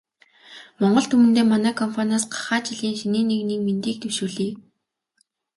Монгол түмэндээ манай компаниас гахай жилийн шинийн нэгний мэндийг дэвшүүлье.